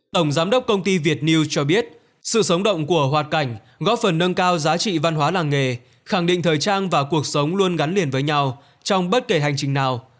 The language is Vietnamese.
tổng giám đốc công ty việt news cho biết sự sống động của hoạt cảnh góp phần nâng cao giá trị văn hóa làng nghề khẳng định thời trang và cuộc sống luôn gắn liền với nhau trong bất kể hành trình nào